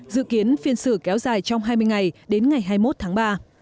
dự kiến phiên xử kéo dài trong hai mươi ngày đến ngày hai mươi một tháng ba